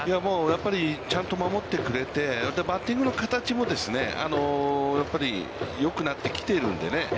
やっぱりちゃんと守ってくれて、バッティングの形もよくなってきているのでね。